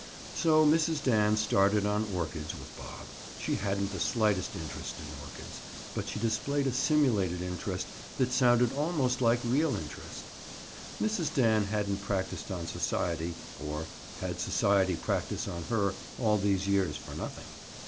So Mrs. Dan started on orchids with Bob. She hadn't the slightest interest in orchids, but she displayed a simulated interest that sounded almost like real interest. Mrs. Dan hadn't practised on society, or had society practise on her, all these years for nothing.